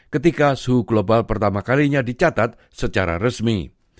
ketika suhu global pertama kalinya dicatat secara resmi